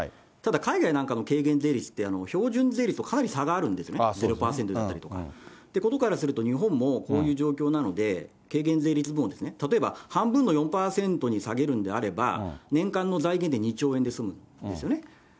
ただ、海外なんかの軽減税率って標準税率とかなり差があるんですね。ということからすると、日本もこういう状況なので、軽減税率分を例えば半分の４％に下げるんであれば、年間の財源で２兆円で済むんですよね。